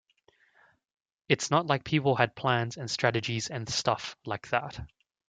It's not like people had plans and strategies and stuff like that.